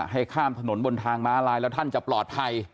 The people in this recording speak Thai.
ให้ข้ามถนนบนทางม้าลายแล้วท่านจะปลอดภัย